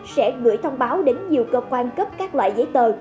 sẽ gửi thông báo đến nhiều cơ quan cấp các loại giấy tờ